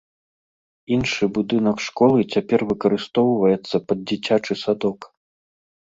Іншы будынак школы цяпер выкарыстоўваецца пад дзіцячы садок.